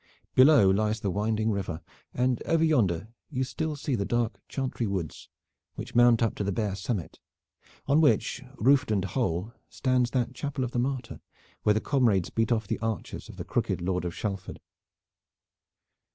Below lies the winding river, and over yonder you still see the dark Chantry woods which mount up to the bare summit, on which, roofed and whole, stands that Chapel of the Martyr where the comrades beat off the archers of the crooked Lord of Shalford.